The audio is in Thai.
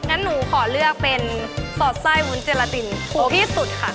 งั้นหนูขอเลือกเป็นสอดไส้วุ้นเจลาตินถูกที่สุดค่ะ